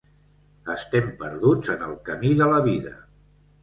Estem perduts en el camí de la vida.